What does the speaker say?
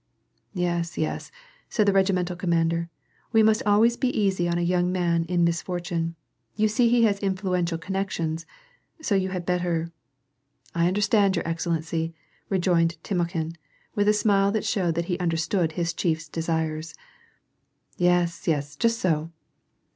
" Yes, yes," said the regimental commander. " We must always be easy on a young man in misfortune. You see he has influential connections — so you had better" —" I understand, your excellency " rejoined Timokhin, with a smile that showed that he understood his chiefs desires. " Yes, yes, just so